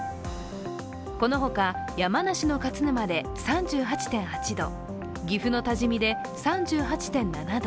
このほか、山梨の勝沼で３８．８度、岐阜の多治見で３８．７度。